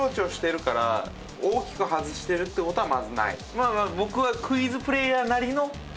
まあまあ僕は。